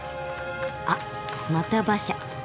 あっまた馬車。